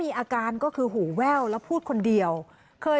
มีคนร้องบอกให้ช่วยด้วยก็เห็นภาพเมื่อสักครู่นี้เราจะได้ยินเสียงเข้ามาเลย